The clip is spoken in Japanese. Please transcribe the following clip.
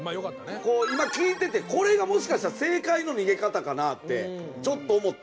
今聞いててこれがもしかしたら正解の逃げ方かなってちょっと思った。